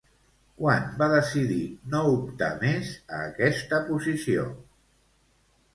Quan va decidir no optar més a aquesta posició?